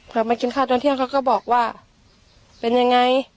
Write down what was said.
พอมากินข้าวตอนเที่ยงเขาก็บอกว่าเป็นยังไง